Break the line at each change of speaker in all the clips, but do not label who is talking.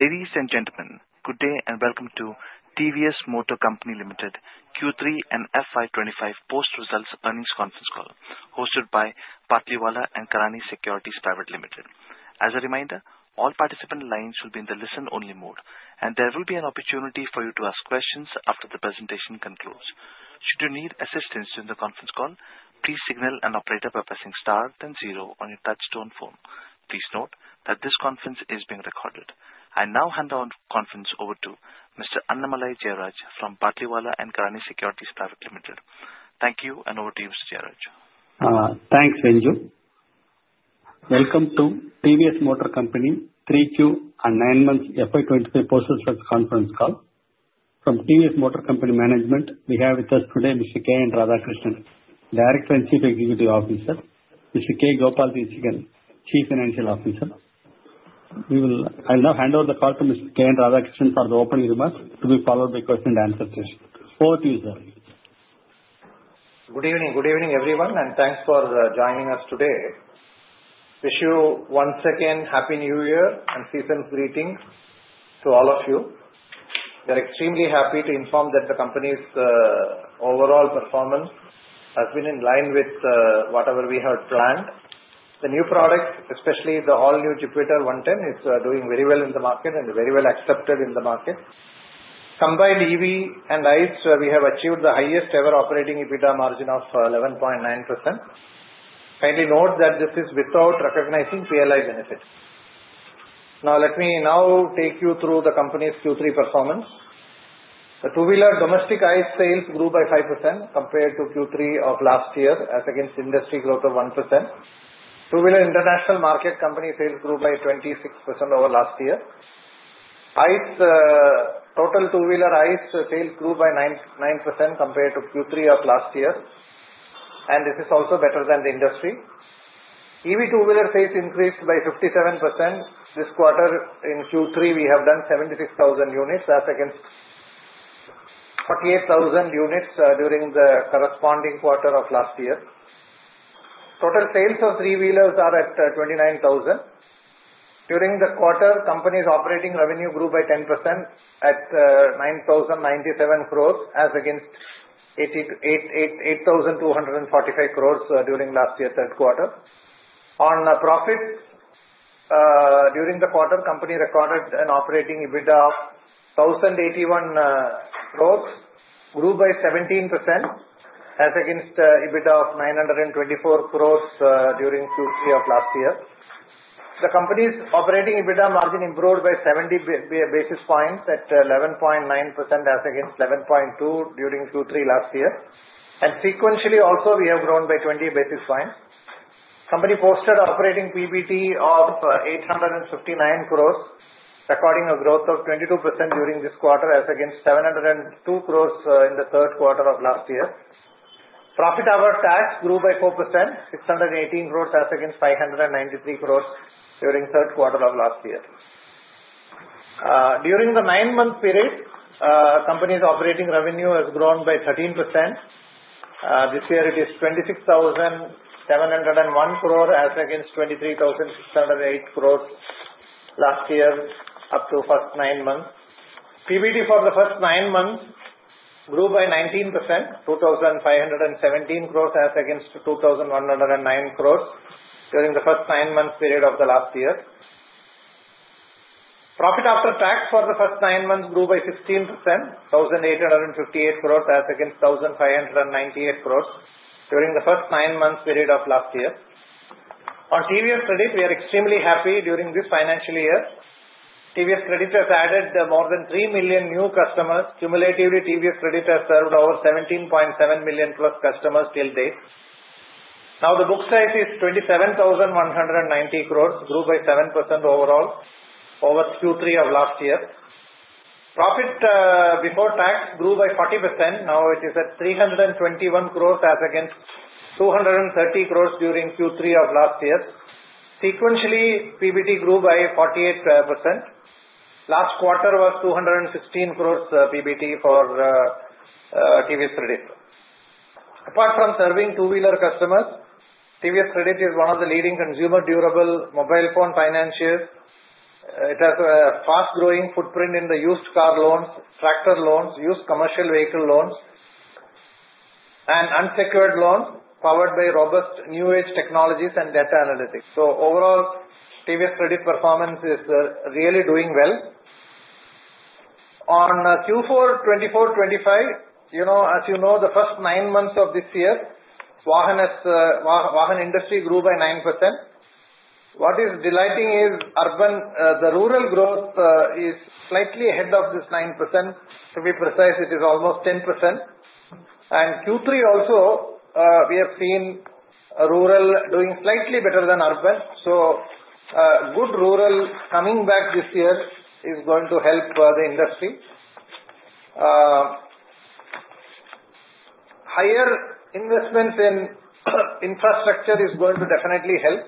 Ladies and gentlemen, good day and welcome to TVS Motor Company Limited Q3 and FY 2025 post results earnings conference call, hosted by Batlivala & Karani Securities Private Limited. As a reminder, all participant lines will be in the listen-only mode, and there will be an opportunity for you to ask questions after the presentation concludes. Should you need assistance during the conference call, please signal an operator by pressing star then zero on your touch-tone phone. Please note that this conference is being recorded. I now hand the conference over to Mr. Annamalai Jayaraj from Batlivala & Karani Securities Private Limited. Thank you, and over to you, Mr. Jayaraj.
Thanks, Venu. Welcome to TVS Motor Company 3Q and 9 months FY 2025 post results conference call. From TVS Motor Company Management, we have with us today Mr. K N Radhakrishnan, Director and Chief Executive Officer, Mr. K Gopala Desikan, Chief Financial Officer. I'll now hand over the call to Mr. K N Radhakrishnan for the opening remarks to be followed by question and answer session. Over to you, sir.
Good evening. Good evening, everyone, and thanks for joining us today. Wish you once again Happy New Year and season's greetings to all of you. We are extremely happy to inform that the company's overall performance has been in line with whatever we had planned. The new product, especially the all-new Jupiter 110, is doing very well in the market and very well accepted in the market. Combined EV and ICE, we have achieved the highest-ever operating EBITDA margin of 11.9%. Kindly note that this is without recognizing PLI benefits. Now, let me now take you through the company's Q3 performance. The two-wheeler domestic ICE sales grew by 5% compared to Q3 of last year, as against industry growth of 1%. Two-wheeler international market company sales grew by 26% over last year. Total two-wheeler ICE sales grew by 9% compared to Q3 of last year, and this is also better than the industry. EV two-wheeler sales increased by 57%. This quarter, in Q3, we have done 76,000 units, as against 48,000 units during the corresponding quarter of last year. Total sales of three-wheelers are at 29,000. During the quarter, company's operating revenue grew by 10% at 9,097 crores, as against 8,245 crores during last year's third quarter. On profits, during the quarter, company recorded an operating EBITDA of 1,081 crores, grew by 17%, as against EBITDA of 924 crores during Q3 of last year. The company's operating EBITDA margin improved by 70 basis points at 11.9%, as against 11.2% during Q3 last year. Sequentially, also, we have grown by 20 basis points. Company posted operating PBT of 859 crores, recording a growth of 22% during this quarter, as against 702 crores in the third quarter of last year. Profit after tax grew by 4%, 618 crores, as against 593 crores during the third quarter of last year. During the nine-month period, company's operating revenue has grown by 13%. This year, it is 26,701 crores, as against 23,608 crores last year, up to the first nine months. PBT for the first nine months grew by 19%, 2,517 crores, as against 2,109 crores during the first nine-month period of the last year. Profit after tax for the first nine months grew by 16%, 1,858 crores, as against 1,598 crores during the first nine-month period of last year. On TVS Credit, we are extremely happy during this financial year. TVS Credit has added more than 3 million new customers. Cumulatively, TVS Credit has served over 17.7 million+ customers till date. Now, the book size is 27,190 crores, grew by 7% overall over Q3 of last year. Profit before tax grew by 40%. Now, it is at 321 crores, as against 230 crores during Q3 of last year. Sequentially, PBT grew by 48%. Last quarter was 216 crores PBT for TVS Credit. Apart from serving two-wheeler customers, TVS Credit is one of the leading consumer durable mobile phone financiers. It has a fast-growing footprint in the used car loans, tractor loans, used commercial vehicle loans, and unsecured loans powered by robust new-age technologies and data analytics. So overall, TVS Credit performance is really doing well. On Q4 2024-2025, as you know, the first nine months of this year, the two-wheeler industry grew by 9%. What is delighting is the rural growth is slightly ahead of this 9%. To be precise, it is almost 10%. And Q3 also, we have seen rural doing slightly better than urban. So good rural coming back this year is going to help the industry. Higher investments in infrastructure is going to definitely help.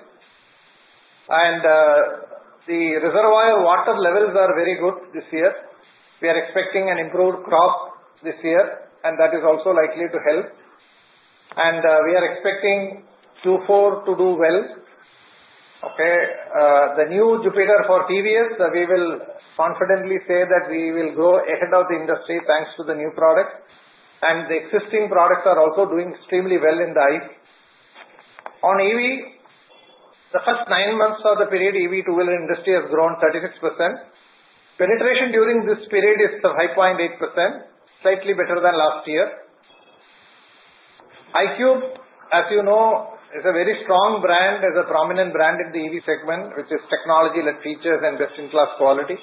And the reservoir water levels are very good this year. We are expecting an improved crop this year, and that is also likely to help. And we are expecting Q4 to do well. Okay. The new Jupiter for TVS, we will confidently say that we will grow ahead of the industry thanks to the new products. And the existing products are also doing extremely well in the ICE. On EV, the first nine months of the period, EV two-wheeler industry has grown 36%. Penetration during this period is 5.8%, slightly better than last year. iQube, as you know, is a very strong brand, is a prominent brand in the EV segment, which is technology-led features and best-in-class quality.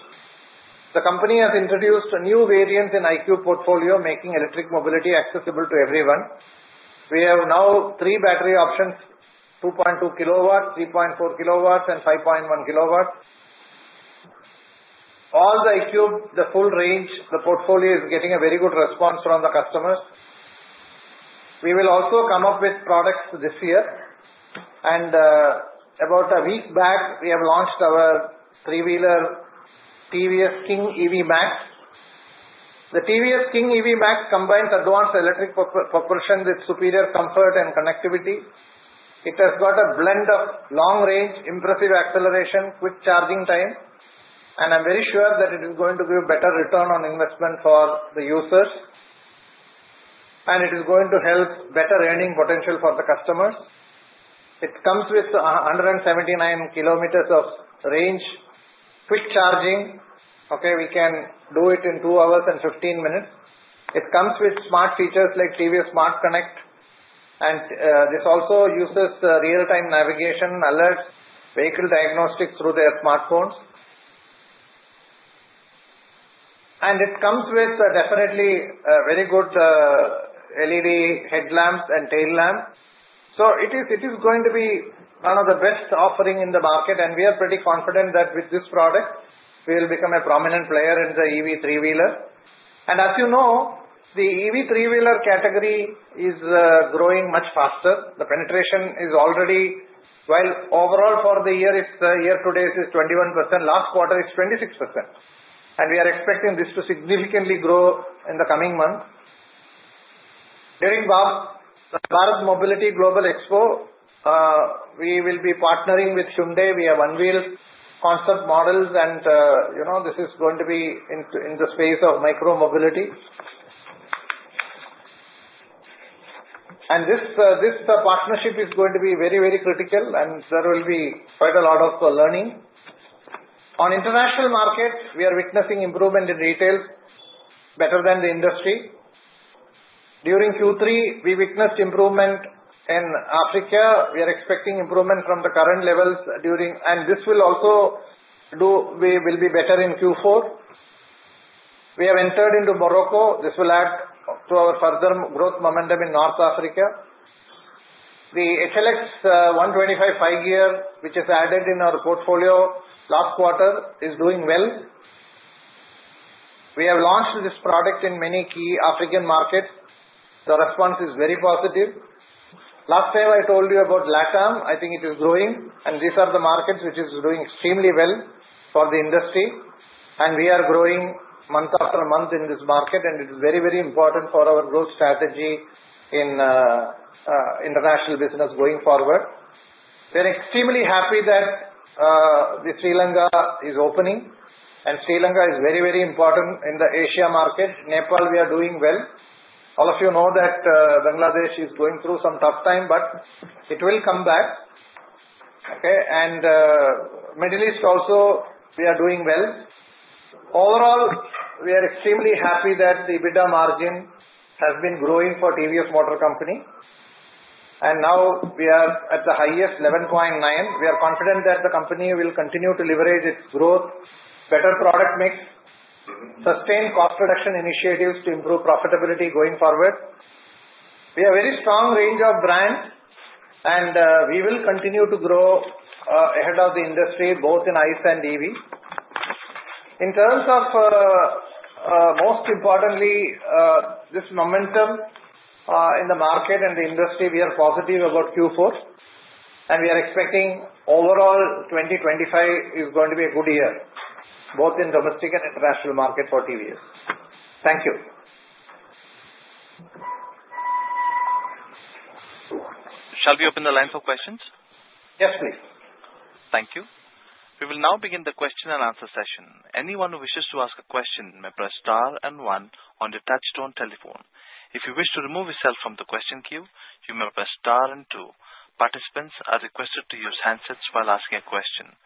The company has introduced a new variant in iQube portfolio, making electric mobility accessible to everyone. We have now three battery options: 2.2 kW, 3.4 kW, and 5.1 kW. All the iQube, the full range, the portfolio is getting a very good response from the customers. We will also come up with products this year. About a week back, we have launched our three-wheeler TVS King EV Max. The TVS King EV Max combines advanced electric propulsion with superior comfort and connectivity. It has got a blend of long range, impressive acceleration, quick charging time. I am very sure that it is going to give a better return on investment for the users, and it is going to help better earning potential for the customers. It comes with 179 km of range, quick charging. Okay, we can do it in 2 hours and 15 minutes. It comes with smart features like TVS SmartXonnect. And this also uses real-time navigation alerts, vehicle diagnostics through their smartphones. And it comes with definitely very good LED headlamps and tail lamps. So it is going to be one of the best offerings in the market. And we are pretty confident that with this product, we will become a prominent player in the EV three-wheeler. And as you know, the EV three-wheeler category is growing much faster. The penetration is already, while overall for the year, it's year-to-date 21%, last quarter 26%. And we are expecting this to significantly grow in the coming months. During Bharat, the Bharat Mobility Global Expo, we will be partnering with Hyundai. We have one-wheel concept models. This is going to be in the space of micro-mobility. This partnership is going to be very, very critical. There will be quite a lot of learning. On international market, we are witnessing improvement in retail, better than the industry. During Q3, we witnessed improvement in Africa. We are expecting improvement from the current levels. This will also do, we will be better in Q4. We have entered into Morocco. This will add to our further growth momentum in North Africa. The HLX 125 5-gear, which is added in our portfolio last quarter, is doing well. We have launched this product in many key African markets. The response is very positive. Last time, I told you about LatAm. I think it is growing. These are the markets which are doing extremely well for the industry. We are growing month after month in this market. And it is very, very important for our growth strategy in international business going forward. We are extremely happy that Sri Lanka is opening. And Sri Lanka is very, very important in the Asia market. Nepal, we are doing well. All of you know that Bangladesh is going through some tough time, but it will come back. Okay. And the Middle East also, we are doing well. Overall, we are extremely happy that the EBITDA margin has been growing for TVS Motor Company. And now, we are at the highest 11.9%. We are confident that the company will continue to leverage its growth, better product mix, sustain cost reduction initiatives to improve profitability going forward. We have a very strong range of brands. And we will continue to grow ahead of the industry, both in ICE and EV. In terms of, most importantly, this momentum in the market and the industry, we are positive about Q4, and we are expecting overall 2025 is going to be a good year, both in domestic and international market for TVS. Thank you.
Shall we open the line for questions?
Yes, please. Thank you. We will now begin the question and answer session. Anyone who wishes to ask a question may press star and one on your touch-tone telephone. If you wish to remove yourself from the question queue, you may press star and two. Participants are requested to use handsets while asking a question.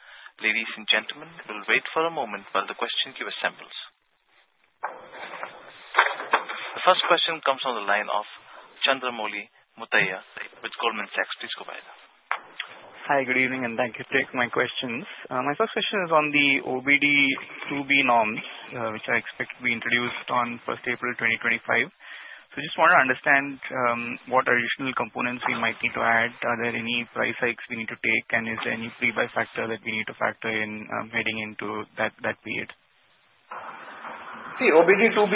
Ladies and gentlemen, we'll wait for a moment while the question queue assembles. The first question comes from the line of Chandramouli Muthiah with Goldman Sachs. Please go ahead.
Hi, good evening, and thank you for taking my questions. My first question is on the OBD IIB norms, which I expect to be introduced on 1st April 2025. So I just want to understand what additional components we might need to add. Are there any price hikes we need to take? And is there any prebuy factor that we need to factor in heading into that period?
See, OBD IIB,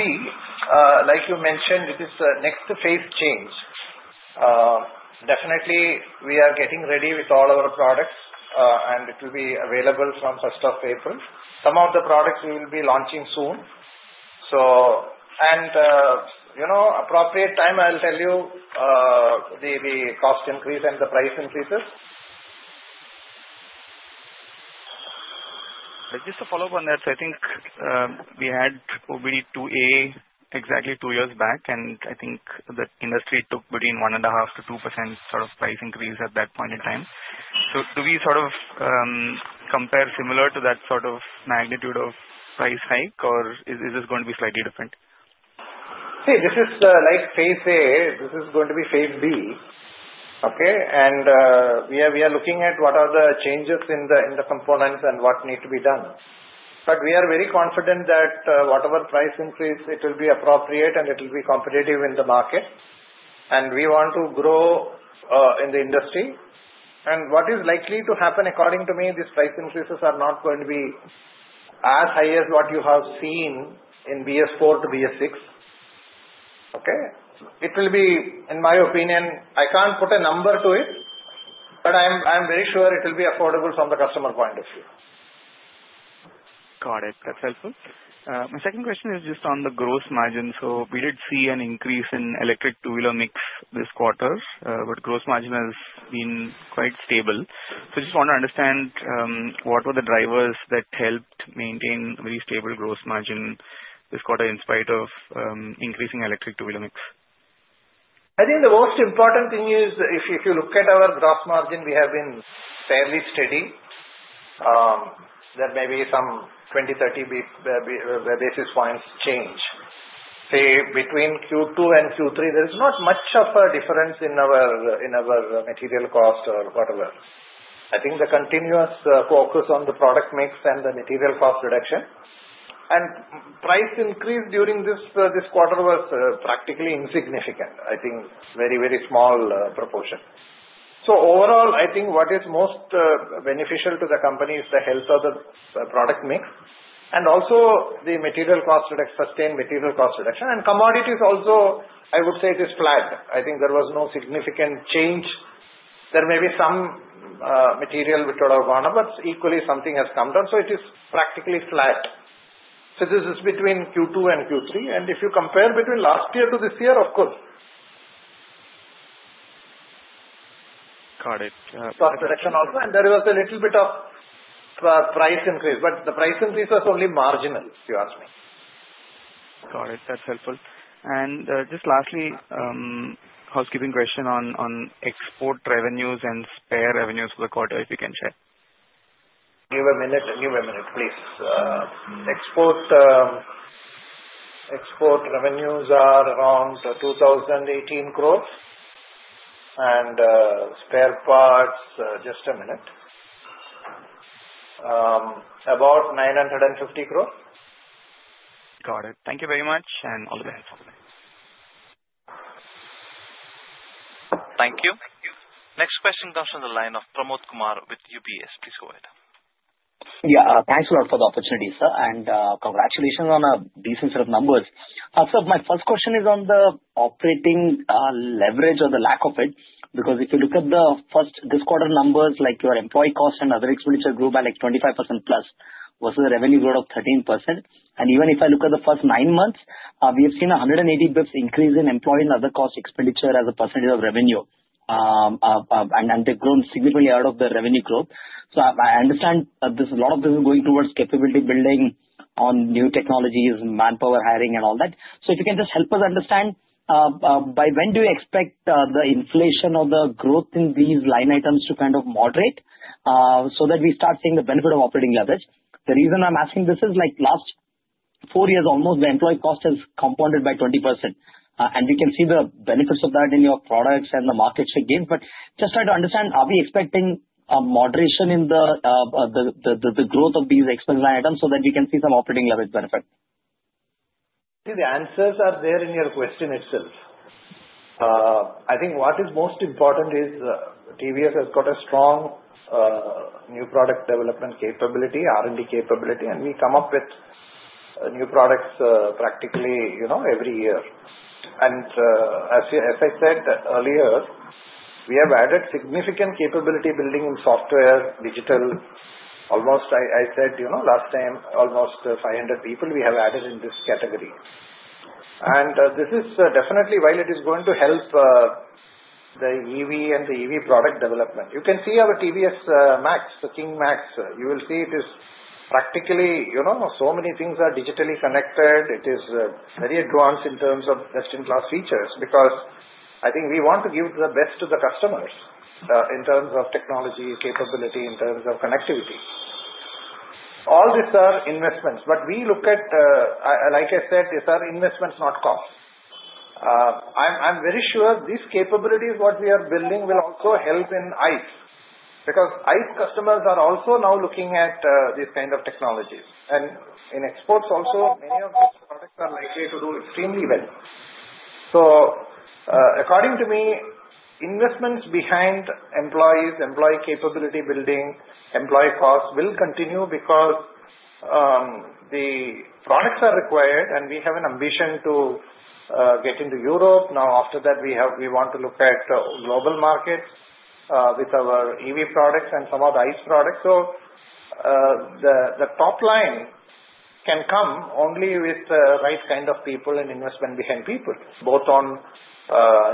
like you mentioned, it is a next phase change. Definitely, we are getting ready with all our products, and it will be available from 1st of April. Some of the products we will be launching soon. At the appropriate time, I'll tell you the cost increase and the price increases.
Just to follow up on that, I think we had OBD IIA exactly two years back, and I think the industry took between 1.5%-2% sort of price increase at that point in time. So do we sort of compare similar to that sort of magnitude of price hike, or is this going to be slightly different?
See, this is like phase A. This is going to be phase B. Okay, and we are looking at what are the changes in the components and what needs to be done. But we are very confident that whatever price increase, it will be appropriate, and it will be competitive in the market. And we want to grow in the industry. And what is likely to happen, according to me, these price increases are not going to be as high as what you have seen in BS4 to BS6. Okay, it will be, in my opinion, I can't put a number to it, but I'm very sure it will be affordable from the customer point of view.
Got it. That's helpful. My second question is just on the gross margin. So we did see an increase in electric two-wheeler mix this quarter, but gross margin has been quite stable. So I just want to understand what were the drivers that helped maintain a very stable gross margin this quarter in spite of increasing electric two-wheeler mix?
I think the most important thing is if you look at our gross margin, we have been fairly steady. There may be some 20-30 basis points change. See, between Q2 and Q3, there is not much of a difference in our material cost or whatever. I think the continuous focus on the product mix and the material cost reduction and price increase during this quarter was practically insignificant. I think very, very small proportion. So overall, I think what is most beneficial to the company is the health of the product mix and also the material cost reduction, sustained material cost reduction. And commodities also, I would say it is flat. I think there was no significant change. There may be some material which would have gone up, but equally, something has come down. So it is practically flat. So this is between Q2 and Q3. If you compare between last year to this year, of course.
Got it.
Cost reduction also. And there was a little bit of price increase, but the price increase was only marginal, if you ask me.
Got it. That's helpful. And just lastly, housekeeping question on export revenues and spares revenues for the quarter, if you can share?
Give a minute. Give a minute, please. Export revenues are around 2,018 crores. Spare parts, just a minute, about 950 crores.
Got it. Thank you very much. And all the best.
Thank you. Next question comes from the line of Pramod Kumar with UBS. Please go ahead.
Yeah. Thanks a lot for the opportunity, sir. And congratulations on a decent set of numbers. Sir, my first question is on the operating leverage or the lack of it, because if you look at the first this quarter numbers, like your employee cost and other expenditure grew by like 25% plus versus a revenue growth of 13%. And even if I look at the first nine months, we have seen a 180 basis points increase in employee and other cost expenditure as a percentage of revenue. And they've grown significantly out of the revenue growth. So I understand a lot of this is going towards capability building on new technologies, manpower hiring, and all that. So if you can just help us understand, by when do you expect the inflation or the growth in these line items to kind of moderate so that we start seeing the benefit of operating leverage? The reason I'm asking this is like last four years almost, the employee cost has compounded by 20%. And we can see the benefits of that in your products and the markets again. But just try to understand, are we expecting a moderation in the growth of these expense line items so that we can see some operating leverage benefit?
See, the answers are there in your question itself. I think what is most important is TVS has got a strong new product development capability, R&D capability, and we come up with new products practically every year. And as I said earlier, we have added significant capability building in software, digital. Almost, I said last time, almost 500 people we have added in this category. And this is definitely, while it is going to help the EV and the EV product development. You can see our TVS King EV Max. You will see it is practically so many things are digitally connected. It is very advanced in terms of best-in-class features because I think we want to give the best to the customers in terms of technology, capability, in terms of connectivity. All these are investments, but we look at, like I said, these are investments, not costs. I'm very sure these capabilities, what we are building, will also help in ICE because ICE customers are also now looking at these kinds of technologies. And in exports also, many of these products are likely to do extremely well. So according to me, investments behind employees, employee capability building, employee costs will continue because the products are required. And we have an ambition to get into Europe. Now, after that, we want to look at global markets with our EV products and some of the ICE products. So the top line can come only with the right kind of people and investment behind people, both on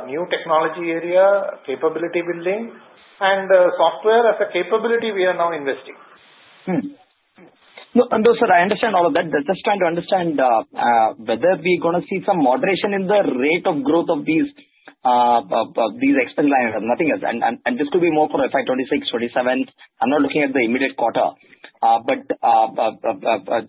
new technology area, capability building, and software as a capability we are now investing.
No, no, sir, I understand all of that. Just trying to understand whether we're going to see some moderation in the rate of growth of these expense lines, nothing else. And this could be more for FY 2026, 2027. I'm not looking at the immediate quarter. But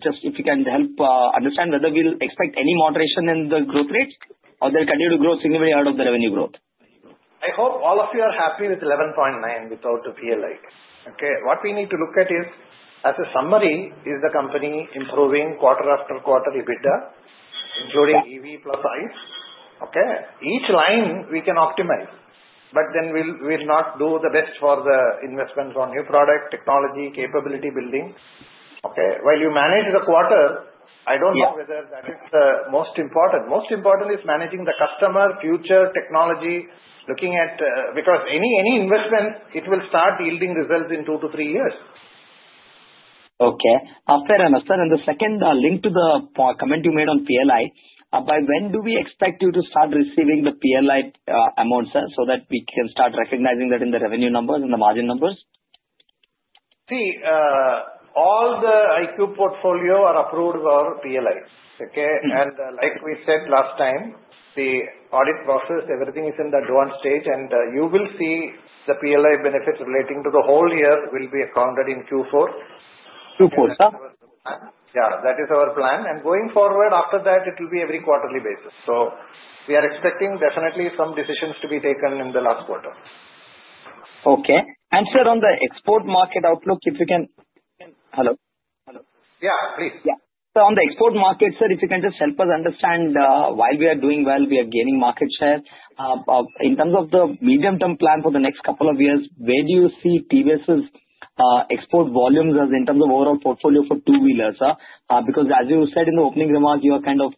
just if you can help understand whether we'll expect any moderation in the growth rates or they'll continue to grow significantly out of the revenue growth.
I hope all of you are happy with 11.9% without feeling like. Okay. What we need to look at is, as a summary, the company improving quarter after quarter EBITDA, including EV plus ICE? Okay. Each line we can optimize. But then we'll not do the best for the investments on new product, technology, capability building. Okay. While you manage the quarter, I don't know whether that is the most important. Most important is managing the customer, future technology, looking at because any investment, it will start yielding results in two to three years.
Okay. Fair enough, sir. And the second link to the comment you made on PLI, by when do we expect you to start receiving the PLI amount, sir, so that we can start recognizing that in the revenue numbers and the margin numbers?
See, all the iQube portfolio are approved for PLIs. Okay. And like we said last time, the audit process, everything is in the advanced stage. And you will see the PLI benefits relating to the whole year will be accounted in Q4.
Q4, sir?
Yeah. That is our plan. And going forward, after that, it will be every quarterly basis. So we are expecting definitely some decisions to be taken in the last quarter.
Okay, and, sir, on the export market outlook, if you can hello?
Yeah, please.
Yeah. So on the export market, sir, if you can just help us understand, while we are doing well, we are gaining market share. In terms of the medium-term plan for the next couple of years, where do you see TVS's export volumes as in terms of overall portfolio for two-wheelers? Because, as you said in the opening remarks, you are kind of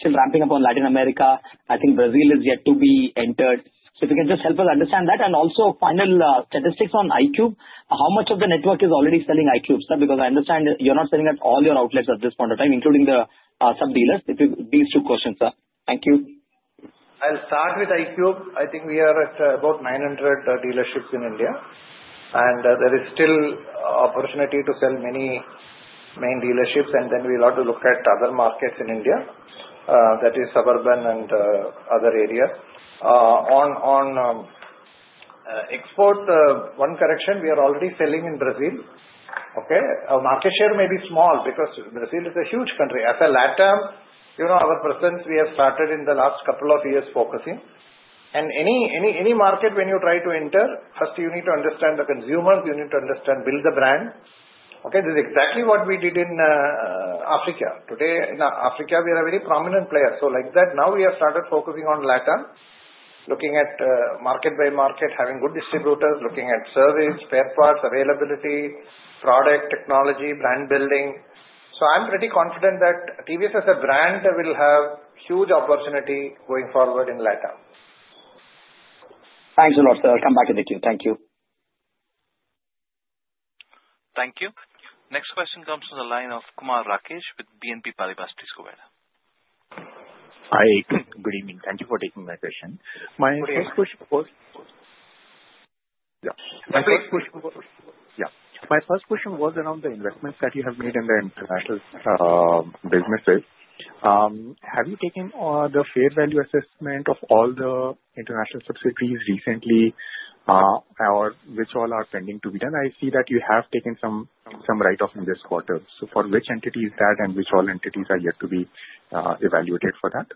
still ramping up on Latin America. I think Brazil is yet to be entered. So if you can just help us understand that. And also, final statistics on iQube. How much of the network is already selling iQubes, sir? Because I understand you're not selling at all your outlets at this point of time, including the sub-dealers. These two questions, sir. Thank you.
I'll start with iQube. I think we are at about 900 dealerships in India. And there is still opportunity to sell many main dealerships. And then we'll have to look at other markets in India, that is suburban and other areas. On export, one correction, we are already selling in Brazil. Okay. Our market share may be small because Brazil is a huge country. In LatAm, our presence, we have started in the last couple of years focusing. And any market, when you try to enter, first, you need to understand the consumers. You need to understand, build the brand. Okay. This is exactly what we did in Africa. Today, in Africa, we are a very prominent player. So like that, now we have started focusing on LatAm, looking at market by market, having good distributors, looking at service, spare parts, availability, product technology, brand building. I'm pretty confident that TVS as a brand will have huge opportunity going forward in LatAm.
Thanks a lot, sir. I'll come back with it to you. Thank you.
Thank you. Next question comes from the line of Kumar Rakesh with BNP Paribas, please go ahead.
Hi. Good evening. Thank you for taking my question. My first question was. My first question was. Yeah. My first question was around the investments that you have made in the international businesses. Have you taken the fair value assessment of all the international subsidiaries recently, which all are pending to be done? I see that you have taken some write-off in this quarter. So for which entities is that, and which all entities are yet to be evaluated for that?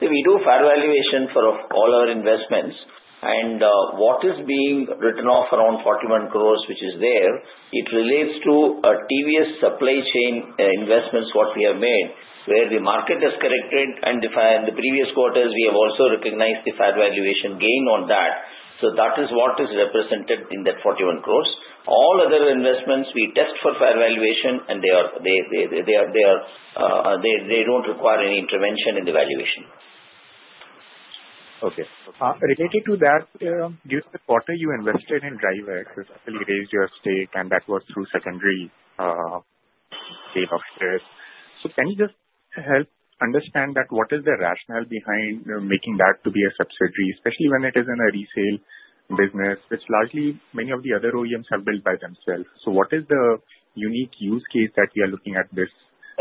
See, we do fair valuation for all our investments. And what is being written off around 41 crores, which is there, it relates to TVS supply chain investments what we have made, where the market has corrected and the previous quarters, we have also recognized the fair valuation gain on that. So that is what is represented in that 41 crores. All other investments, we test for fair valuation, and they don't require any intervention in the valuation.
Okay. Related to that, during the quarter, you invested in DriveX, essentially raised your stake, and that was through secondary sale of shares. So can you just help understand that? What is the rationale behind making that to be a subsidiary, especially when it is in a resale business, which largely many of the other OEMs have built by themselves? So what is the unique use case that you are looking at this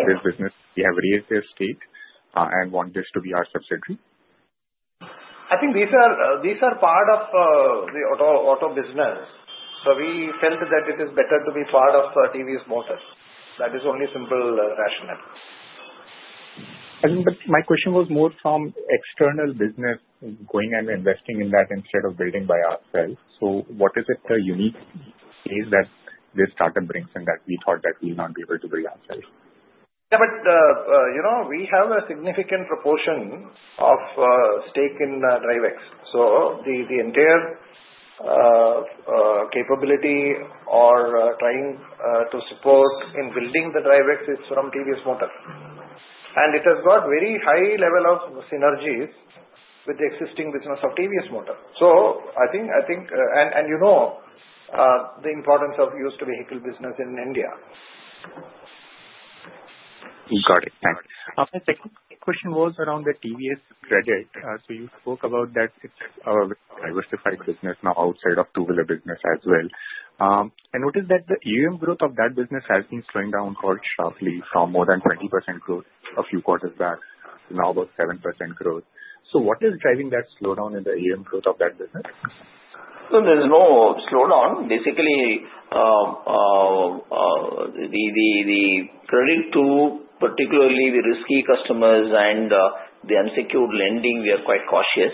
business? We have raised their stake and want this to be our subsidiary.
I think these are part of the auto business. So we felt that it is better to be part of TVS Motor. That is only simple rationale.
I think my question was more from external business going and investing in that instead of building by ourselves. So what is it the unique case that this startup brings in that we thought that we will not be able to build ourselves?
Yeah, but we have a significant proportion of stake in DriveX. So the entire capability or trying to support in building the DriveX is from TVS Motor. And it has got very high level of synergies with the existing business of TVS Motor. So I think, and you know the importance of used vehicle business in India.
Got it. Thanks. My second question was around the TVS Credit. So you spoke about that it's our diversified business now outside of two-wheeler business as well. And notice that the AUM growth of that business has been slowing down quite sharply from more than 20% growth a few quarters back to now about 7% growth. So what is driving that slowdown in the AUM growth of that business?
There's no slowdown. Basically, the credit to particularly the risky customers and the unsecured lending, we are quite cautious.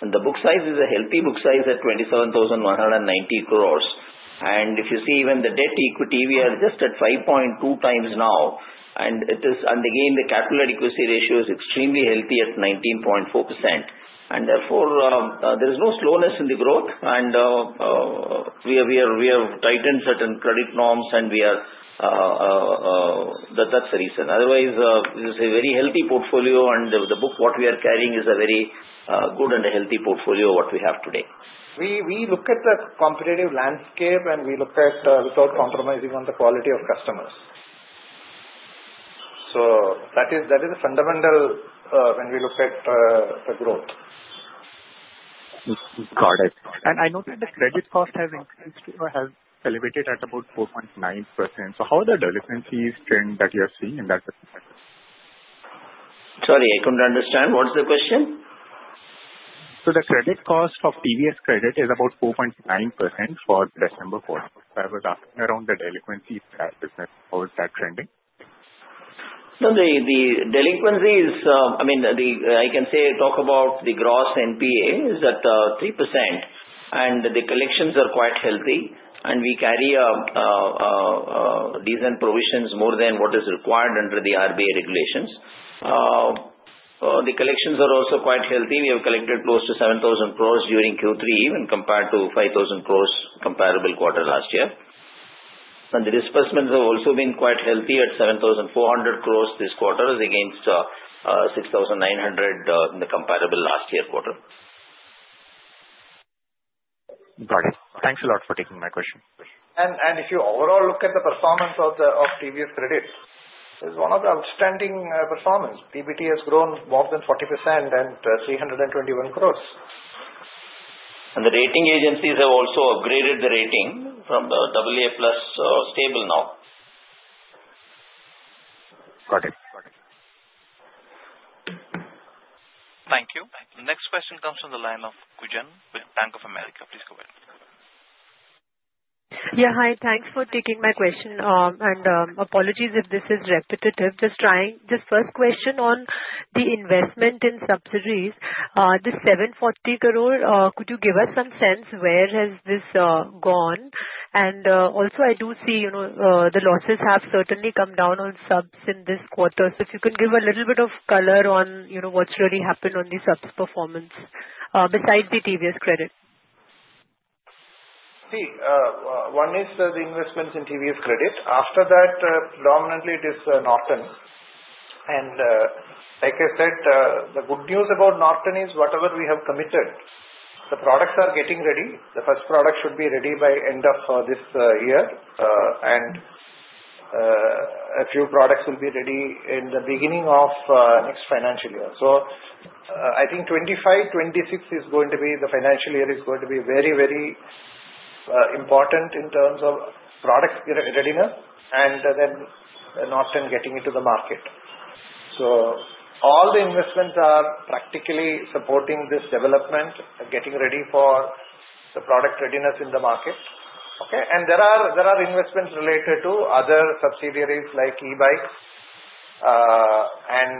And the book size is a healthy book size at 27,190 crores. And if you see, even the debt equity, we are just at 5.2x now. And again, the capital equity ratio is extremely healthy at 19.4%. And therefore, there is no slowness in the growth. And we have tightened certain credit norms, and we are that's the reason. Otherwise, it is a very healthy portfolio. And the book what we are carrying is a very good and healthy portfolio what we have today.
We look at the competitive landscape, and we look at without compromising on the quality of customers. So that is a fundamental when we look at the growth.
Got it. And I noted the credit cost has increased to elevated at about 4.9%. So how are the delinquencies trend that you are seeing in that business?
Sorry, I couldn't understand. What's the question?
So the credit cost of TVS credit is about 4.9% for December quarter. So I was asking around the delinquency business, how is that trending?
No, the delinquencies, I mean, I can say talk about the gross NPA is at 3%. The collections are quite healthy. We carry decent provisions more than what is required under the RBI regulations. The collections are also quite healthy. We have collected close to 7,000 crores during Q3 when compared to 5,000 crores comparable quarter last year. The disbursements have also been quite healthy at 7,400 crores this quarter against 6,900 in the comparable last year quarter.
Got it. Thanks a lot for taking my question.
If you overall look at the performance of TVS Credit, it's one of the outstanding performance. PBT has grown more than 40% and 321 crores.
The rating agencies have also upgraded the rating from AA+ stable now.
Got it.
Thank you. Next question comes from the line of Gunjan with Bank of America. Please go ahead.
Yeah, hi. Thanks for taking my question, and apologies if this is repetitive. Just trying. Just first question on the investment in subsidiaries. The 740 crore, could you give us some sense where has this gone? And also, I do see the losses have certainly come down on subs in this quarter, so if you can give a little bit of color on what's really happened on the subs performance besides the TVS Credit.
See, one is the investments in TVS Credit. After that, predominantly, it is Norton. And like I said, the good news about Norton is whatever we have committed, the products are getting ready. The first product should be ready by end of this year. And a few products will be ready in the beginning of next financial year. So I think 2025, 2026 is going to be the financial year is going to be very, very important in terms of product readiness and then Norton getting into the market. So all the investments are practically supporting this development, getting ready for the product readiness in the market. Okay. And there are investments related to other subsidiaries like e-bikes and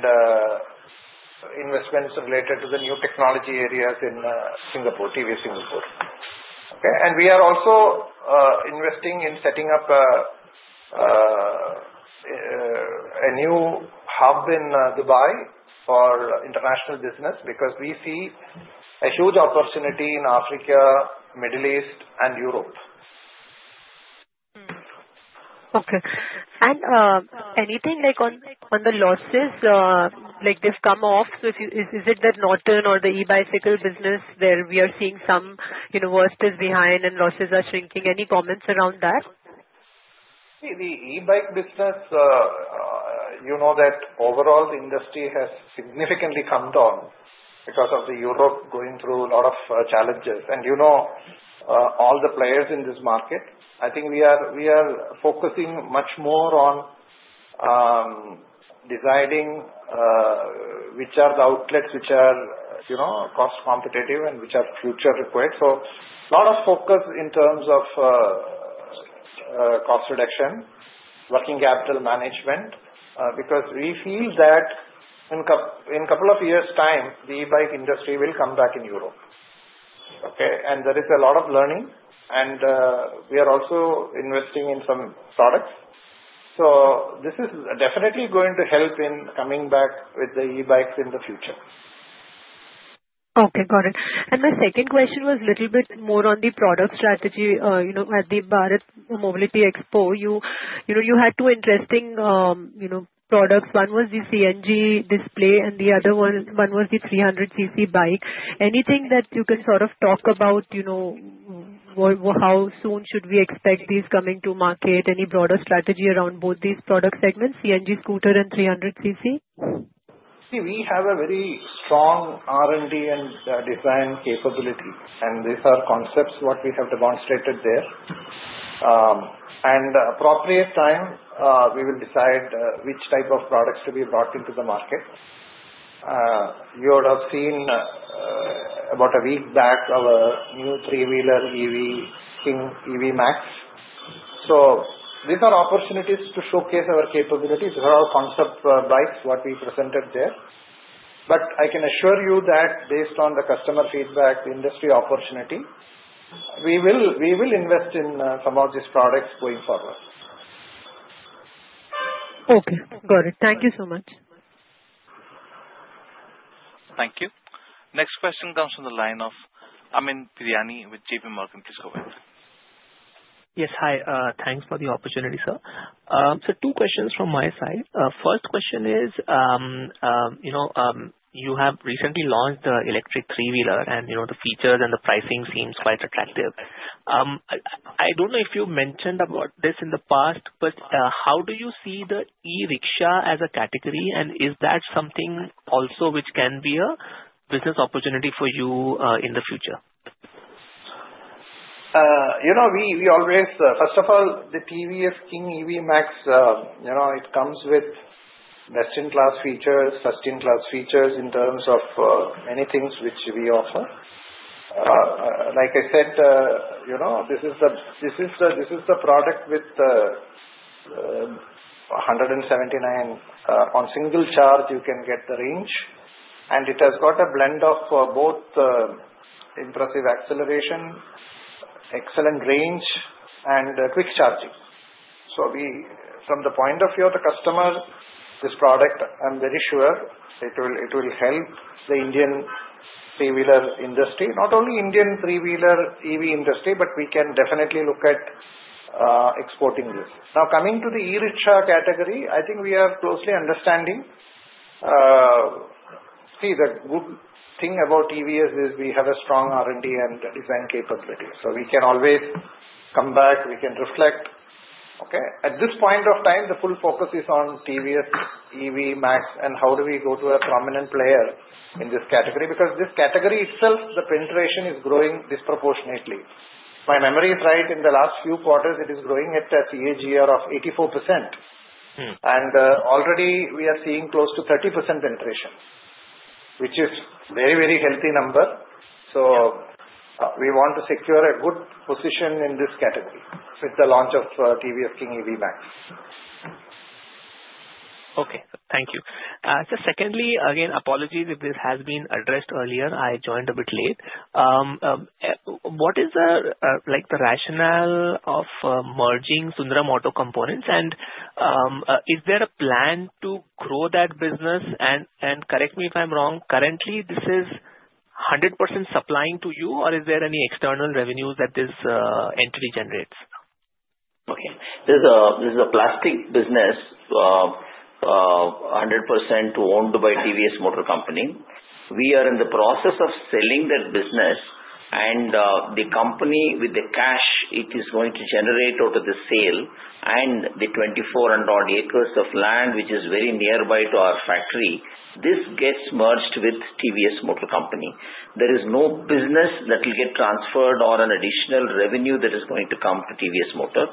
investments related to the new technology areas in Singapore, TVS Singapore. Okay. We are also investing in setting up a new hub in Dubai for international business because we see a huge opportunity in Africa, Middle East, and Europe.
Okay. And anything on the losses? They've come off. So is it that Norton or the e-bicycle business where we are seeing the worst is behind and losses are shrinking? Any comments around that?
See, the e-bike business, you know that overall industry has significantly come down because of the Europe going through a lot of challenges. And you know all the players in this market. I think we are focusing much more on deciding which are the outlets which are cost competitive and which are future required. So a lot of focus in terms of cost reduction, working capital management, because we feel that in a couple of years' time, the e-bike industry will come back in Europe. Okay. And there is a lot of learning. And we are also investing in some products. So this is definitely going to help in coming back with the e-bikes in the future.
Okay. Got it. And my second question was a little bit more on the product strategy. At the Bharat Mobility Expo, you had two interesting products. One was the CNG display, and the other one was the 300cc bike. Anything that you can sort of talk about? How soon should we expect these coming to market? Any broader strategy around both these product segments, CNG scooter and 300cc?
See, we have a very strong R&D and design capability, and these are concepts what we have demonstrated there, and appropriate time, we will decide which type of products to be brought into the market. You would have seen about a week back our new three-wheeler EV, King EV Max, so these are opportunities to showcase our capabilities. These are our concept bikes what we presented there, but I can assure you that based on the customer feedback, the industry opportunity, we will invest in some of these products going forward.
Okay. Got it. Thank you so much.
Thank you. Next question comes from the line of Amyn Pirani with JPMorgan. Please go ahead.
Yes. Hi. Thanks for the opportunity, sir. So two questions from my side. First question is, you have recently launched the electric three-wheeler, and the features and the pricing seems quite attractive. I don't know if you mentioned about this in the past, but how do you see the e-rickshaw as a category? And is that something also which can be a business opportunity for you in the future?
We always, first of all, the TVS King EV Max, it comes with best-in-class features, first-in-class features in terms of many things which we offer. Like I said, this is the product with 179 on single charge, you can get the range. And it has got a blend of both impressive acceleration, excellent range, and quick charging. So from the point of view of the customer, this product, I'm very sure it will help the Indian three-wheeler industry, not only Indian three-wheeler EV industry, but we can definitely look at exporting this. Now, coming to the e-rickshaw category, I think we are closely understanding. See, the good thing about TVS is we have a strong R&D and design capability. So we can always come back. We can reflect. Okay. At this point of time, the full focus is on TVS King EV Max and how do we go to a prominent player in this category? Because this category itself, the penetration is growing disproportionately. If my memory is right, in the last few quarters, it is growing at a CAGR of 84%. And already, we are seeing close to 30% penetration, which is a very, very healthy number. So we want to secure a good position in this category with the launch of TVS King EV Max.
Okay. Thank you. Just secondly, again, apologies if this has been addressed earlier. I joined a bit late. What is the rationale of merging Sundaram Auto Components? And is there a plan to grow that business? And correct me if I'm wrong. Currently, this is 100% supplying to you, or is there any external revenues that this entity generates?
Okay. This is a plastic business, 100% owned by TVS Motor Company. We are in the process of selling that business. And the company with the cash it is going to generate out of the sale and the 2,400 acres of land, which is very nearby to our factory, this gets merged with TVS Motor Company. There is no business that will get transferred or an additional revenue that is going to come to TVS Motor.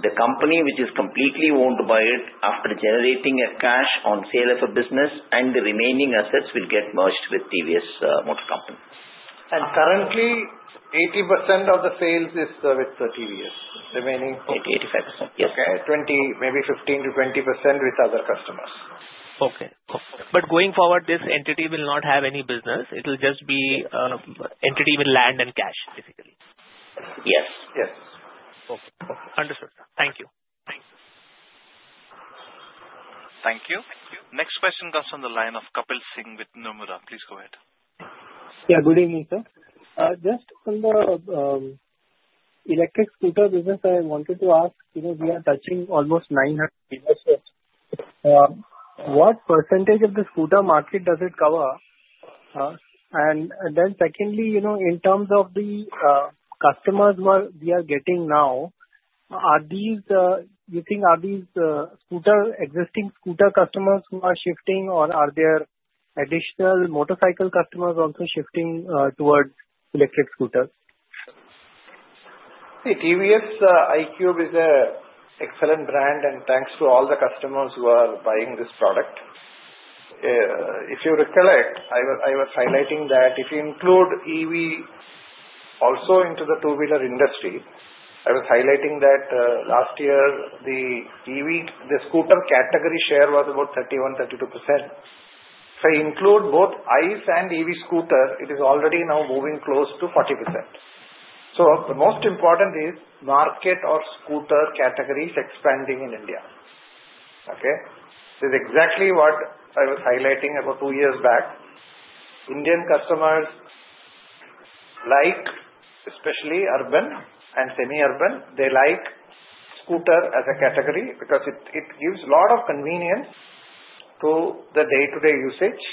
The company which is completely owned by it, after generating a cash on sale of a business, and the remaining assets will get merged with TVS Motor Company.
And currently, 80% of the sales is with TVS. Remaining.
80%-85%. Yes.
Okay. Maybe 15%-20% with other customers.
Okay, but going forward, this entity will not have any business. It will just be an entity with land and cash, basically.
Yes. Yes.
Okay. Understood. Thank you. Thank you.
Thank you. Next question comes from the line of Kapil Singh with Nomura. Please go ahead.
Yeah. Good evening, sir. Just from the electric scooter business, I wanted to ask, we are touching almost 900 dealerships. What percentage of the scooter market does it cover? And then secondly, in terms of the customers we are getting now, are these you think existing scooter customers who are shifting, or are there additional motorcycle customers also shifting towards electric scooters?
See, TVS iQube is an excellent brand, and thanks to all the customers who are buying this product. If you recollect, I was highlighting that if you include EV also into the two-wheeler industry, I was highlighting that last year, the scooter category share was about 31%-32%. If I include both ICE and EV scooter, it is already now moving close to 40%. So the most important is market or scooter categories expanding in India. Okay. This is exactly what I was highlighting about two years back. Indian customers like, especially urban and semi-urban, they like scooter as a category because it gives a lot of convenience to the day-to-day usage.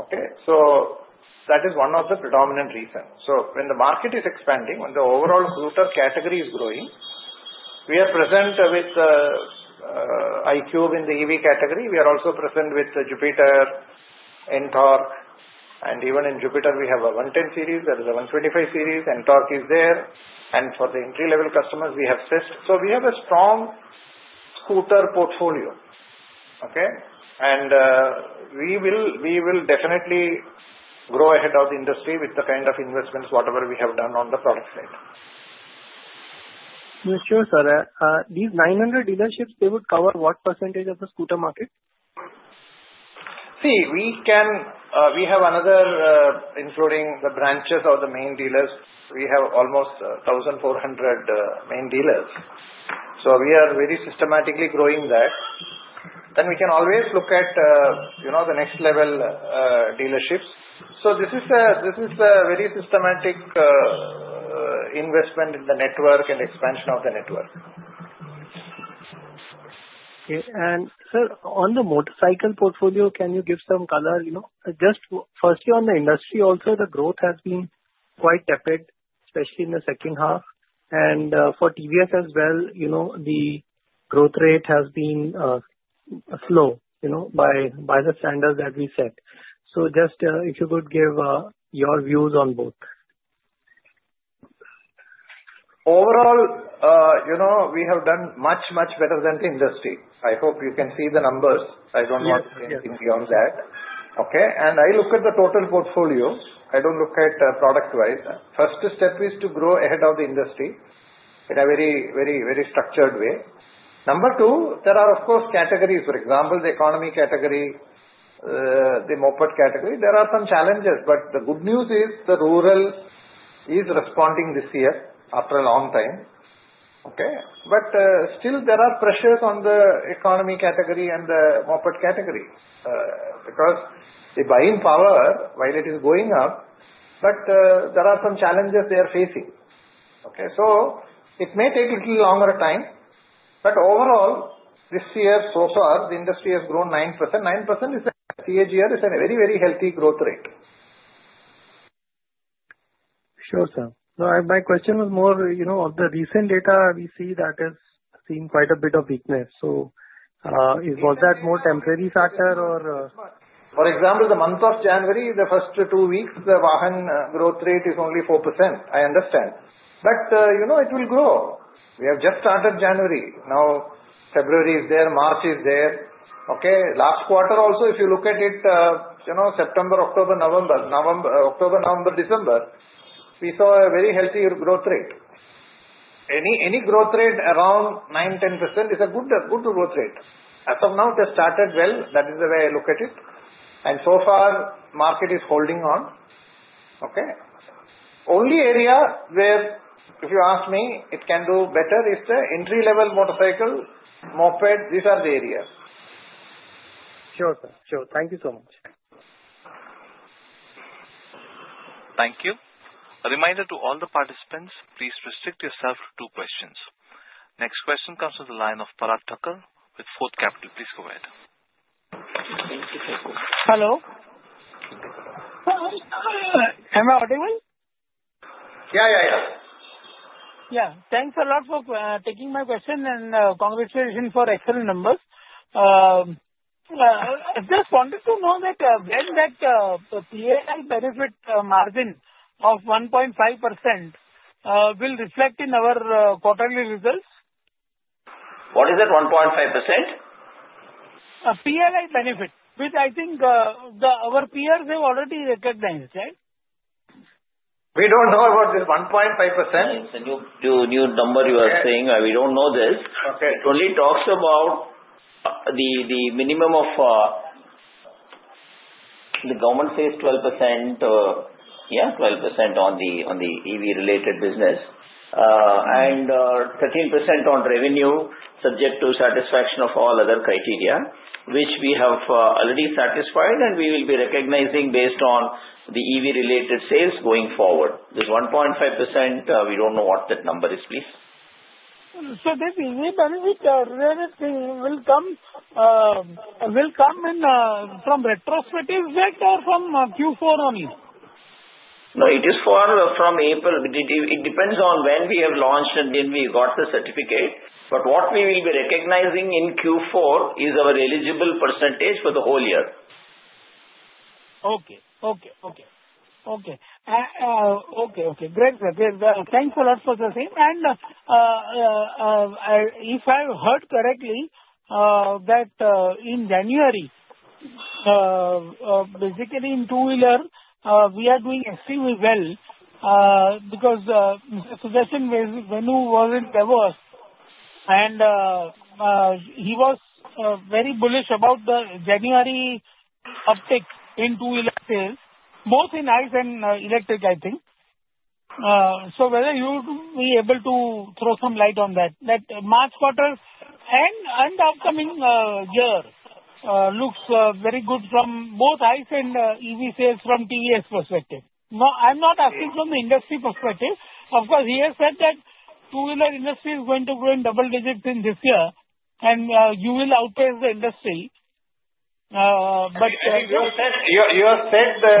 Okay. So that is one of the predominant reasons. So when the market is expanding, when the overall scooter category is growing, we are present with iQube in the EV category. We are also present with Jupiter, NTORQ. And even in Jupiter, we have a 110 series. There is a 125 series. NTORQ is there. And for the entry-level customers, we have Zest. So we have a strong scooter portfolio. Okay. And we will definitely grow ahead of the industry with the kind of investments, whatever we have done on the product side.
Sure, sir. These 900 dealerships, they would cover what percentage of the scooter market?
See, we have another including the branches of the main dealers. We have almost 1,400 main dealers. So we are very systematically growing that. Then we can always look at the next-level dealerships. So this is a very systematic investment in the network and expansion of the network.
And sir, on the motorcycle portfolio, can you give some color? Just firstly, on the industry, also the growth has been quite tepid, especially in the second half. And for TVS as well, the growth rate has been slow by the standards that we set. So just if you could give your views on both.
Overall, we have done much, much better than the industry. I hope you can see the numbers. I don't want to say anything beyond that. Okay, and I look at the total portfolio. I don't look at product-wise. First step is to grow ahead of the industry in a very, very, very structured way. Number two, there are, of course, categories. For example, the economy category, the moped category. There are some challenges, but the good news is the rural is responding this year after a long time. Okay, but still, there are pressures on the economy category and the moped category because the buying power, while it is going up, but there are some challenges they are facing. Okay, so it may take a little longer time, but overall, this year so far, the industry has grown 9%. 9% is a CAGR is a very, very healthy growth rate.
Sure, sir. My question was more of the recent data we see that has seen quite a bit of weakness. So was that more temporary factor or?
For example, the month of January, the first two weeks, the two-wheeler growth rate is only 4%. I understand, but it will grow. We have just started January. Now, February is there. March is there. Okay. Last quarter also, if you look at it, September, October, November, December, we saw a very healthy growth rate. Any growth rate around 9%-10% is a good growth rate. As of now, they started well. That is the way I look at it, and so far, market is holding on. Okay. Only area where if you ask me, it can do better is the entry-level motorcycle, moped. These are the areas.
Sure, sir. Sure. Thank you so much.
Thank you. A reminder to all the participants, please restrict yourself to two questions. Next question comes from the line of Parag Thakkar with Fort Capital. Please go ahead.
Thank you. Hello. Am I audible?
Yeah, yeah, yeah.
Yeah. Thanks a lot for taking my question and congratulations for excellent numbers. I just wanted to know that when that PLI benefit margin of 1.5% will reflect in our quarterly results?
What is that 1.5%?
PLI benefit, which I think our peers have already recognized, right?
We don't know about this 1.5%.
The new number you are saying, we don't know this. It only talks about the minimum of the government says 12%, yeah, 12% on the EV-related business and 13% on revenue subject to satisfaction of all other criteria, which we have already satisfied and we will be recognizing based on the EV-related sales going forward. This 1.5%, we don't know what that number is, please.
So this EV benefit will come from retrospective effect or from Q4 only?
No, it is from April. It depends on when we have launched and then we got the certificate. But what we will be recognizing in Q4 is our eligible percentage for the whole year.
Great, sir. Great. Thanks a lot for the same. And if I heard correctly, that in January, basically in two-wheeler, we are doing extremely well because Sudarshan Venu was in Davos, and he was very bullish about the January uptick in two-wheeler sales, both in ICE and electric, I think. So whether you will be able to throw some light on that, that March quarter and upcoming year looks very good from both ICE and EV sales from TVS perspective. I'm not asking from the industry perspective. Of course, he has said that two-wheeler industry is going to grow in double digits in this year, and you will outpace the industry. But.
You have said the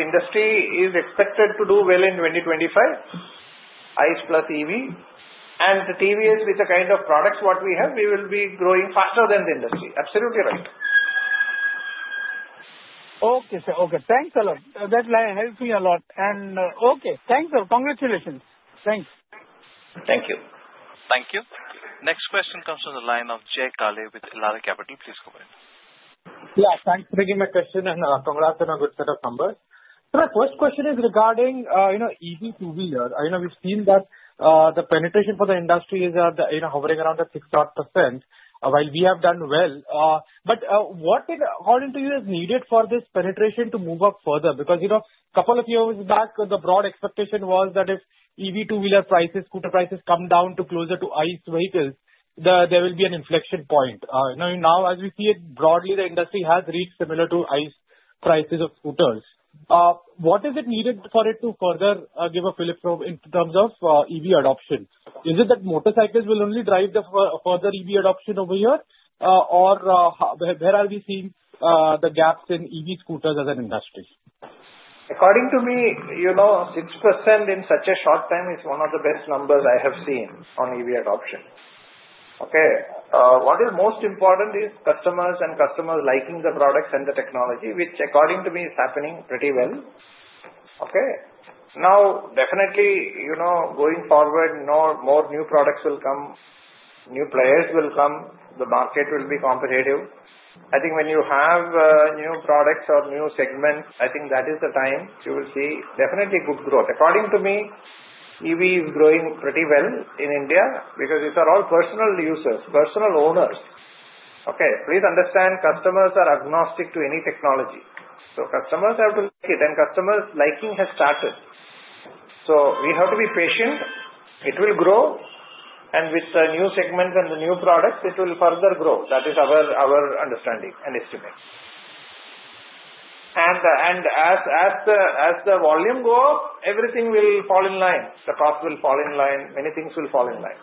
industry is expected to do well in 2025, ICE plus EV. And the TVS with the kind of products what we have, we will be growing faster than the industry. Absolutely right.
Okay, sir. Okay. Thanks a lot. That helped me a lot. And okay. Thanks, sir. Congratulations. Thanks.
Thank you.
Thank you. Next question comes from the line of Jay Kale with Elara Capital. Please go ahead.
Yeah. Thanks for taking my question, and congrats on a good set of numbers. So my first question is regarding EV two-wheeler. We've seen that the penetration for the industry is hovering around the 6%, while we have done well. But what, according to you, is needed for this penetration to move up further? Because a couple of years back, the broad expectation was that if EV two-wheeler prices, scooter prices come down to closer to ICE vehicles, there will be an inflection point. Now, as we see it broadly, the industry has reached similar to ICE prices of scooters. What is it needed for it to further give a flip in terms of EV adoption? Is it that motorcycles will only drive the further EV adoption over here, or where are we seeing the gaps in EV scooters as an industry?
According to me, 6% in such a short time is one of the best numbers I have seen on EV adoption. Okay. What is most important is customers and customers liking the products and the technology, which, according to me, is happening pretty well. Okay. Now, definitely, going forward, more new products will come, new players will come, the market will be competitive. I think when you have new products or new segments, I think that is the time you will see definitely good growth. According to me, EV is growing pretty well in India because these are all personal users, personal owners. Okay. Please understand, customers are agnostic to any technology. So customers have to like it, and customers' liking has started. So we have to be patient. It will grow, and with the new segments and the new products, it will further grow. That is our understanding and estimate, and as the volume goes, everything will fall in line. The cost will fall in line. Many things will fall in line.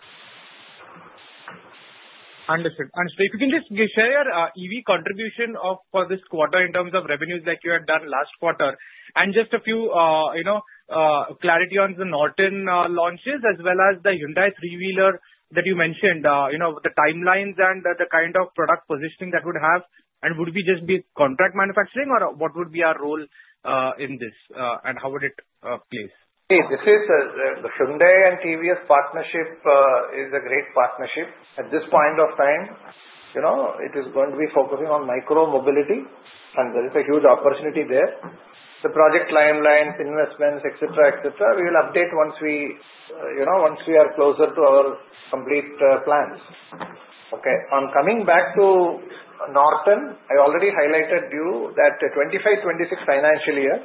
Understood. If you can just share your EV contribution for this quarter in terms of revenues like you had done last quarter, and just a few clarity on the Norton launches as well as the Hyundai three-wheeler that you mentioned, the timelines and the kind of product positioning that would have, and would we just be contract manufacturing, or what would be our role in this, and how would it play?
See, this is the Hyundai and TVS partnership is a great partnership at this point of time. It is going to be focusing on micro-mobility, and there is a huge opportunity there. The project timelines, investments, etc., etc., we will update once we are closer to our complete plans. Okay. On coming back to Norton, I already highlighted to you that the 2025, 2026 financial year,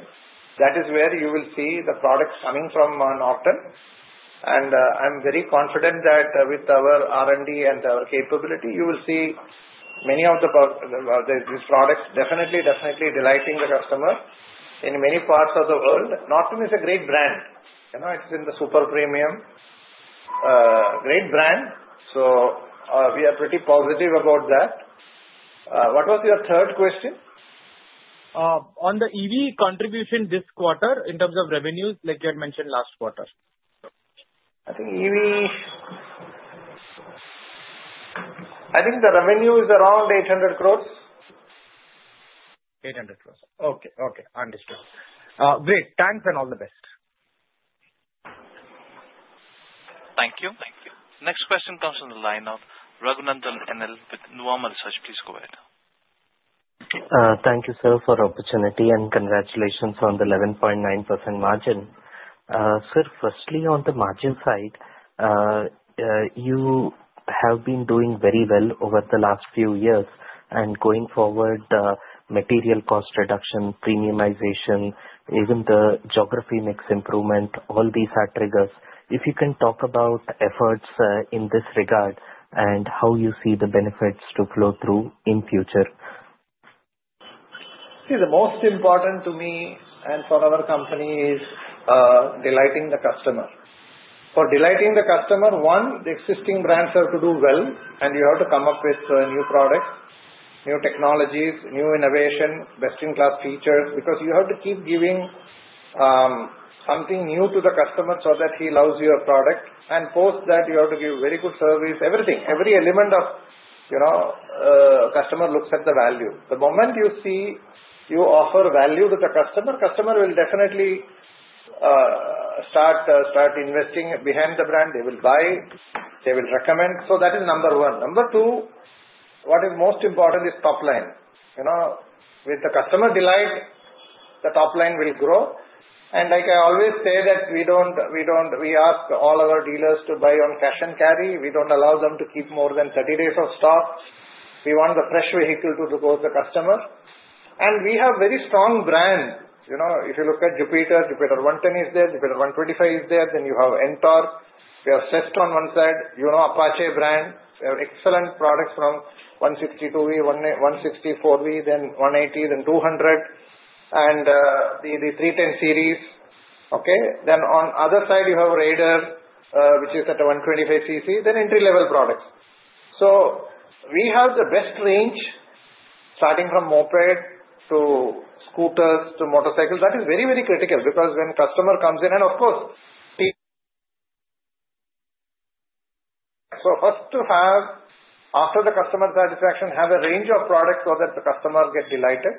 that is where you will see the products coming from Norton. And I'm very confident that with our R&D and our capability, you will see many of these products definitely, definitely delighting the customer in many parts of the world. Norton is a great brand. It's in the super premium. Great brand. So we are pretty positive about that. What was your third question?
On the EV contribution this quarter in terms of revenues, like you had mentioned last quarter?
I think EV, I think the revenue is around 800 crores.
800 crores. Okay. Okay. Understood. Great. Thanks and all the best.
Thank you. Next question comes from the line of Raghunandhan NL with Nuvama Research. Please go ahead.
Thank you, sir, for the opportunity and congratulations on the 11.9% margin. Sir, firstly, on the margin side, you have been doing very well over the last few years, and going forward, material cost reduction, premiumization, even the geography mix improvement, all these are triggers. If you can talk about efforts in this regard and how you see the benefits to flow through in future.
See, the most important to me and for our company is delighting the customer. For delighting the customer, one, the existing brands have to do well, and you have to come up with new products, new technologies, new innovation, best-in-class features, because you have to keep giving something new to the customer so that he loves your product. And post that, you have to give very good service, everything. Every element of customer looks at the value. The moment you see you offer value to the customer, customer will definitely start investing behind the brand. They will buy, they will recommend. So that is number one. Number two, what is most important is top line. With the customer delight, the top line will grow. And like I always say that we ask all our dealers to buy on cash and carry. We don't allow them to keep more than 30 days of stock. We want the fresh vehicle to go to the customer. We have very strong brands. If you look at Jupiter, Jupiter 110 is there, Jupiter 125 is there. Then you have NTORQ. We have Radeon on one side, Apache brand. We have excellent products from 160 2V, 160 4V, then 180, then 200, and the 310 series. Okay. Then on the other side, you have Raider, which is at 125 cc, then entry-level products. We have the best range starting from moped to scooters to motorcycles. That is very, very critical because when customer comes in, and of course, so first to have, after the customer satisfaction, have a range of products so that the customer gets delighted.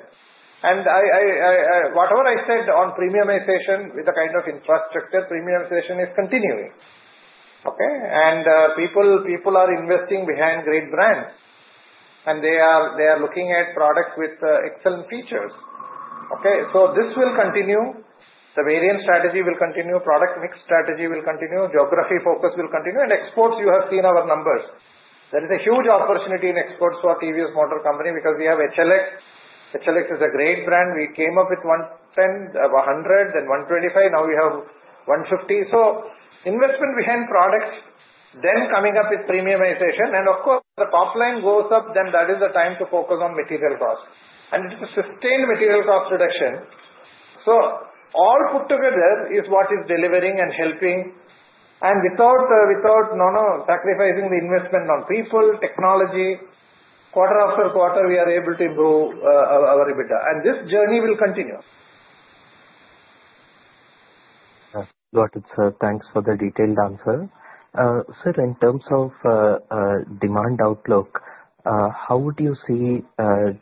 Whatever I said on premiumization with the kind of infrastructure, premiumization is continuing. Okay. And people are investing behind great brands, and they are looking at products with excellent features. Okay. So this will continue. The variant strategy will continue. Product mix strategy will continue. Geography focus will continue. And exports, you have seen our numbers. There is a huge opportunity in exports for TVS Motor Company because we have HLX. HLX is a great brand. We came up with 110, 100, then 125. Now we have 150. So investment behind products, then coming up with premiumization. And of course, the top line goes up, then that is the time to focus on material cost. And it is sustained material cost reduction. So all put together is what is delivering and helping. And without sacrificing the investment on people, technology, quarter after quarter, we are able to improve our EBITDA. And this journey will continue.
Got it, sir. Thanks for the detailed answer. Sir, in terms of demand outlook, how would you see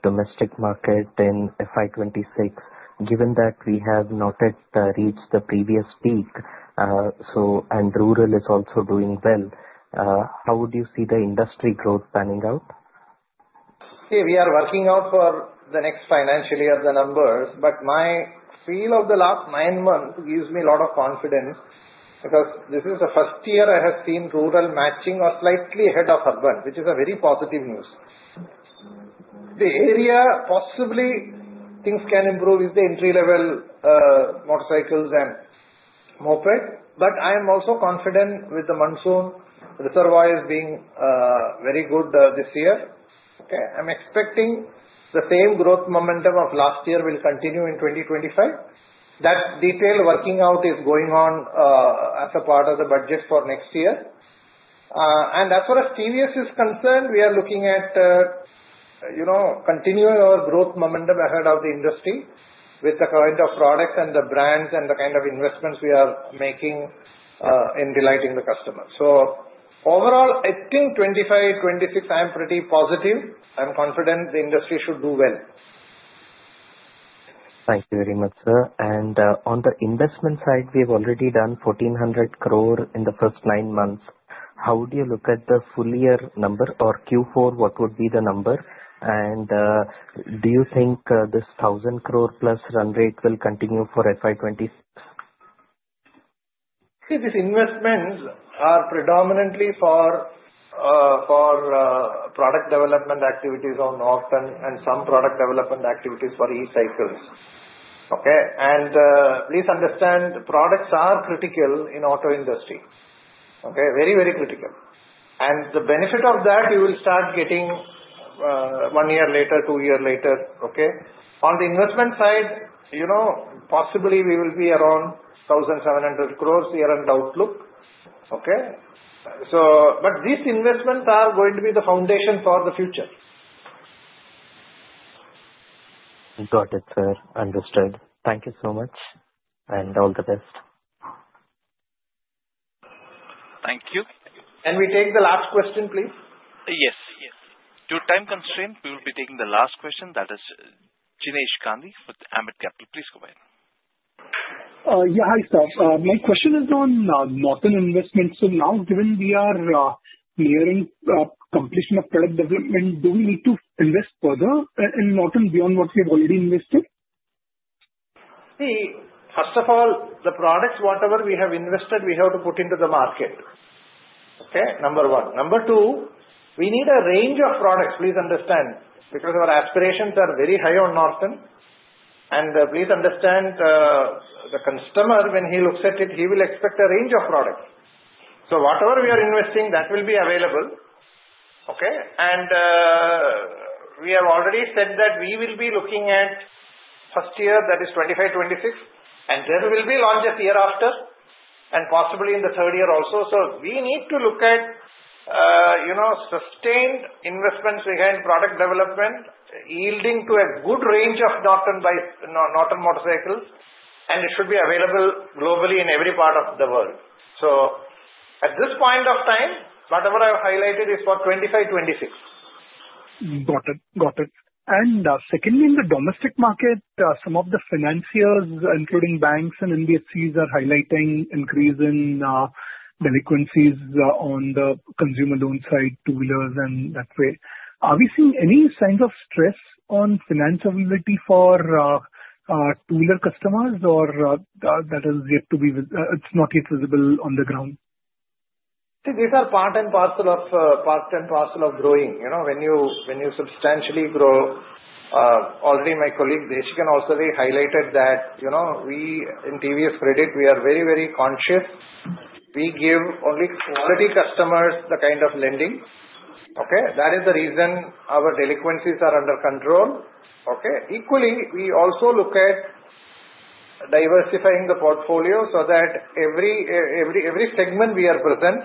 domestic market in FY 2026 given that we have not yet reached the previous peak? And rural is also doing well. How would you see the industry growth panning out?
See, we are working out for the next financial year the numbers, but my feel of the last nine months gives me a lot of confidence because this is the first year I have seen rural matching or slightly ahead of urban, which is a very positive news. The area possibly things can improve is the entry-level motorcycles and moped. But I am also confident with the monsoon reservoirs being very good this year. Okay. I'm expecting the same growth momentum of last year will continue in 2025. That detail working out is going on as a part of the budget for next year. TVS is concerned, we are looking at continuing our growth momentum ahead of the industry with the kind of products and the brands and the kind of investments we are making in delighting the customer. So, overall, I think 2025, 2026. I'm pretty positive. I'm confident the industry should do well.
Thank you very much, sir. And on the investment side, we have already done 1,400 crore in the first nine months. How do you look at the full year number or Q4? What would be the number? And do you think this 1,000 crore+ run rate will continue for FY26?
See, these investments are predominantly for product development activities on Norton and some product development activities for e-cycle. Okay. And please understand, products are critical in auto industry. Okay. Very, very critical. And the benefit of that, you will start getting one year later, two years later. Okay. On the investment side, possibly we will be around 1,700 crores here in the outlook. Okay. But these investments are going to be the foundation for the future.
Got it, sir. Understood. Thank you so much. And all the best.
Thank you.
Can we take the last question, please?
Yes. Due to time constraints, we will be taking the last question. That is Jinesh Gandhi with Ambit Capital. Please go ahead.
Yeah. Hi, sir. My question is on Norton investments. So now, given we are nearing completion of product development, do we need to invest further in Norton beyond what we have already invested?
See, first of all, the products, whatever we have invested, we have to put into the market. Okay. Number one. Number two, we need a range of products. Please understand, because our aspirations are very high on Norton. And please understand, the customer, when he looks at it, he will expect a range of products. So whatever we are investing, that will be available. Okay. And we have already said that we will be looking at first year, that is 2025, 2026, and then we'll be launched the year after and possibly in the third year also. So we need to look at sustained investments behind product development, yielding to a good range of Norton motorcycles, and it should be available globally in every part of the world. So at this point of time, whatever I have highlighted is for 2025, 2026.
Got it. Got it. And secondly, in the domestic market, some of the financiers, including banks and NBFCs, are highlighting increase in delinquencies on the consumer loan side, two-wheelers, and that way. Are we seeing any signs of stress on affordability for two-wheeler customers, or is that yet to be? It's not yet visible on the ground?
See, these are part and parcel of part and parcel of growing. When you substantially grow, already my colleague Desikan has also highlighted that we, in TVS Credit, we are very, very conscious. We give only quality customers the kind of lending. Okay. That is the reason our delinquencies are under control. Okay. Equally, we also look at diversifying the portfolio so that every segment we are present.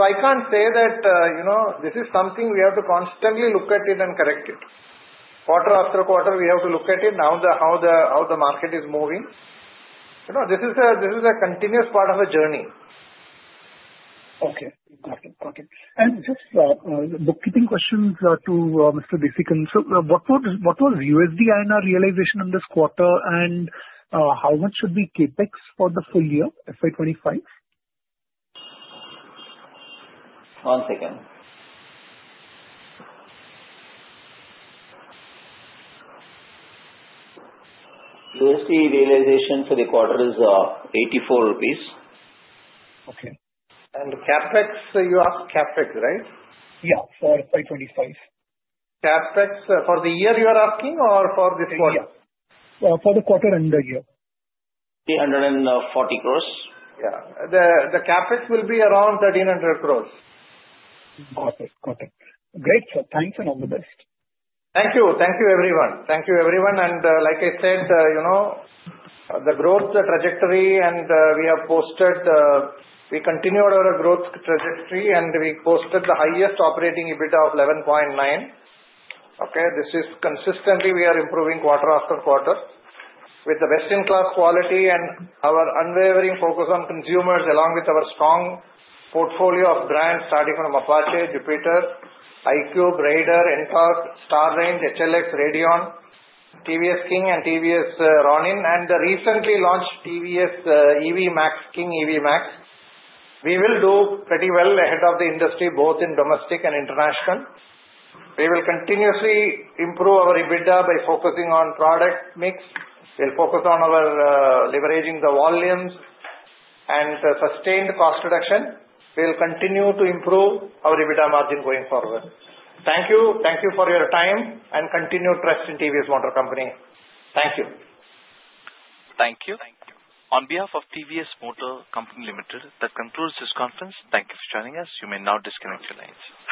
So I can't say that this is something we have to constantly look at it and correct it. Quarter after quarter, we have to look at it, how the market is moving. This is a continuous part of the journey.
Okay. Got it. Got it. And just bookkeeping questions to Mr. Desikan. So what was USD-INR realization in this quarter, and how much should be CapEx for the full year, FY 2025?
One second. USD realization for the quarter is 84 rupees,
and the CapEx, you asked CapEx, right?
Yeah. For FY 2025.
CapEx for the year you are asking or for this quarter?
Yeah. For the quarter and the year.
340 crores.
Yeah. The CapEx will be around 1,300 crores.
Got it. Got it. Great. So thanks and all the best.
Thank you. Thank you, everyone. Thank you, everyone. And like I said, the growth trajectory. We continued our growth trajectory, and we posted the highest operating EBITDA of 11.9%. Okay. This is consistently we are improving quarter after quarter with the best-in-class quality and our unwavering focus on consumers along with our strong portfolio of brands starting from Apache, Jupiter, iQube, Raider, NTORQ, Star range, HLX, Radeon, TVS King, and TVS Ronin, and the recently launched TVS King EV Max. We will do pretty well ahead of the industry, both in domestic and international. We will continuously improve our EBITDA by focusing on product mix. We'll focus on our leveraging the volumes and sustained cost reduction. We'll continue to improve our EBITDA margin going forward. Thank you. Thank you for your time, and continue trust in TVS Motor Company. Thank you.
Thank you. On behalf of TVS Motor Company Limited that controls this conference, thank you for joining us. You may now disconnect your lines.